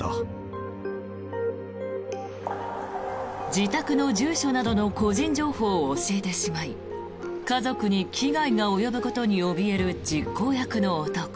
自宅の住所などの個人情報を教えてしまい家族に危害が及ぶことにおびえる実行犯の男。